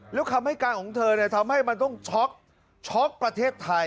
แล้วคำให้การของเธอทำให้มันต้องช็อกช็อกประเทศไทย